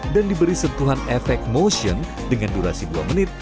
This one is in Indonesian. dan diberi sentuhan efek motion dengan durasi dua menit